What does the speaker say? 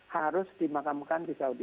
harus dimakamkan di saudi